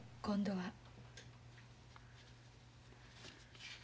今度は。